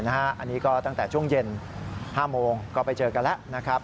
อันนี้ก็ตั้งแต่ช่วงเย็น๕โมงก็ไปเจอกันแล้วนะครับ